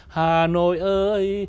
hà nội ơi